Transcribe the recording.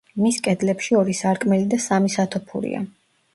მის კედლებში ორი სარკმელი და სამი სათოფურია.